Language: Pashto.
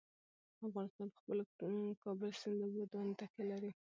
افغانستان په خپلو کابل سیند اوبو باندې تکیه لري.